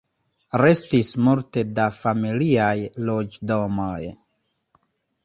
Restis multe da familiaj loĝdomoj.